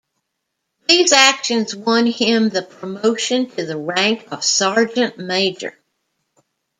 These actions won him the promotion to the rank of Sergeant Major.